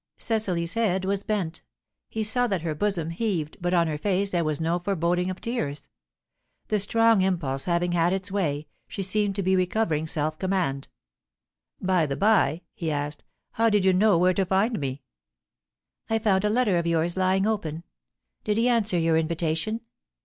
Cecily's head was bent. He saw that her bosom heaved, but on her face there was no foreboding of tears. The strong impulse having had its way, she seemed to be recovering self command. "By the bye," he asked, "how did you know where to find me?" "I found a letter of yours lying open. Did he answer your invitation?"